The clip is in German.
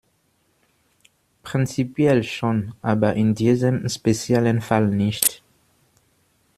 Prinzipiell schon, aber in diesem speziellen Fall nicht.